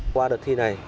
qua đợt thi này